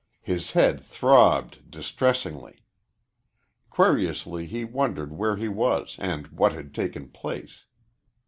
His head throbbed distressingly. Querulously he wondered where he was and what had taken place.